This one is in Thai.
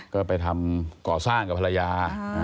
ก็ไปทำก่อสร้างกับภรรยา